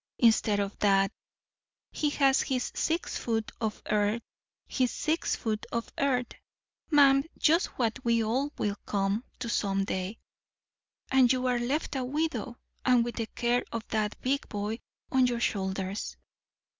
Instead of that, he has his six foot of earth—his six foot of earth, ma'am—just what we all will come to some day; and you are left a widow, and with the care of that big boy on your shoulders."